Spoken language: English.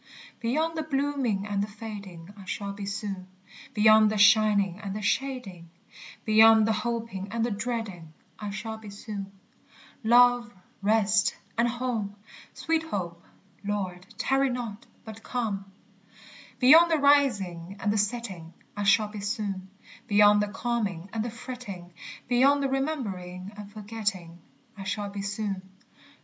_ Beyond the blooming and the fading I shall be soon; Beyond the shining and the shading, Beyond the hoping and the dreading, I shall be soon. Love, rest, and home! etc. Beyond the rising and the setting I shall be soon; Beyond the calming and the fretting, Beyond remembering and forgetting, I shall be soon.